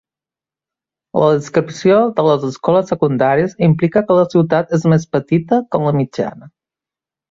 La descripció de les escoles secundàries implica que la ciutat és més petita que la mitjana.